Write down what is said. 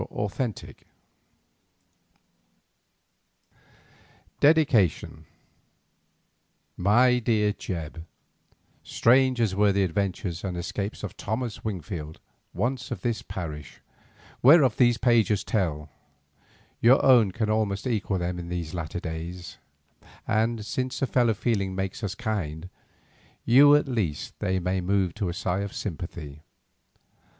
AMEN DEDICATION My dear Jebb, Strange as were the adventures and escapes of Thomas Wingfield, once of this parish, whereof these pages tell, your own can almost equal them in these latter days, and, since a fellow feeling makes us kind, you at least they may move to a sigh of sympathy.